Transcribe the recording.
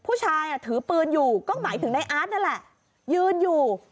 ผู้ชายถือปืนอยู่ก็หมายถึงในอาร์ตนั่นแหละยืนอยู่